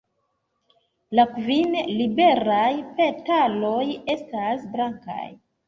La kvin liberaj petaloj estas blankaj.